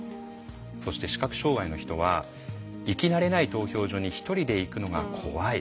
そして視覚障害の人は「行き慣れない投票所に１人で行くのが怖い」。